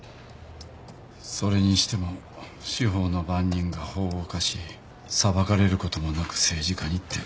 それにしても司法の番人が法を犯し裁かれることもなく政治家にって。